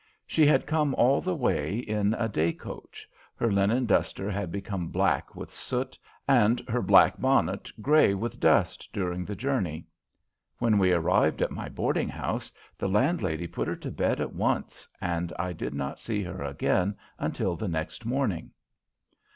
She had come all the way in a day coach; her linen duster had become black with soot and her black bonnet grey with dust during the journey. When we arrived at my boarding house the landlady put her to bed at once and I did not see her again until the next morning.